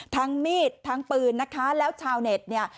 ทั้งมีดทั้งปืนนะคะและชาวเนสเนี่ย